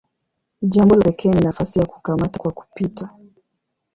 Jambo la pekee ni nafasi ya "kukamata kwa kupita".